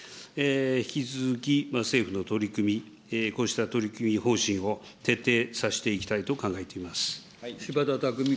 引き続き、政府の取り組み、こうした取り組み方針を徹底させていきたいと考えています。